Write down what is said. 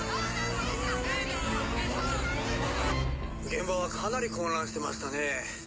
⁉現場はかなり混乱してましたね。